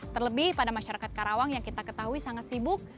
terlebih pada masyarakat karawang yang kita ketahui sangat sibuk